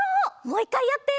もう１かいやって！